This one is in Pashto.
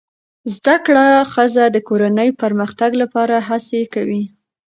زده کړه ښځه د کورنۍ پرمختګ لپاره هڅې کوي